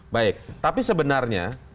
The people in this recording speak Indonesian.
baik tapi sebenarnya